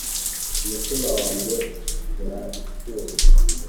umutima wanjye uracyumva.